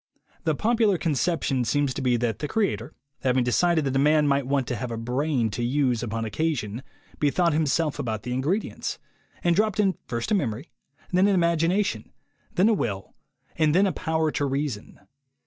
The popular conception seems to be that the Creator, having decided that a man might want to have a brain to use upon occasion, bethought Him self about the ingredients, and dropped in first a memory, then an imagination, then a will, and then a power to reason.